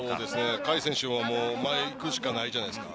海選手は前に行くしかないじゃないですか。